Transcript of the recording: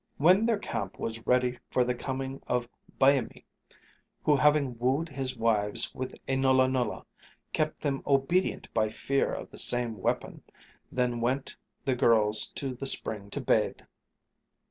When their camp was ready for the coming of Byamee, who having wooed his wives with a nullah nullah, kept them obedient by fear of the same weapon, then went the girls to the spring to bathe.